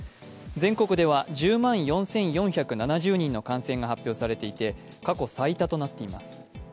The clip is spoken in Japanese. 全国では１０万４４７０人の感染が発表されていて過去最多となっています。